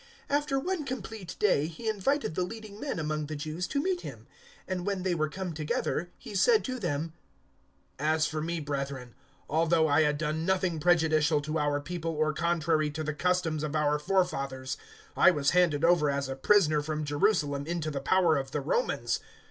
028:017 After one complete day he invited the leading men among the Jews to meet him; and, when they were come together, he said to them, "As for me, brethren, although I had done nothing prejudicial to our people or contrary to the customs of our forefathers, I was handed over as a prisoner from Jerusalem into the power of the Romans.